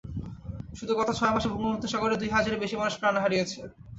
শুধু গত ছয় মাসে ভূমধ্যসাগরে দুই হাজারের বেশি মানুষ প্রাণ হারিয়েছে।